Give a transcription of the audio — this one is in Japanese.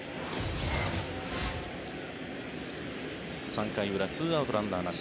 ３回裏、２アウトランナーなし。